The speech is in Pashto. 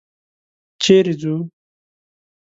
چېرې ځو؟